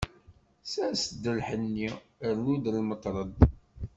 Sers-d lḥenni, rnu-d lmetred.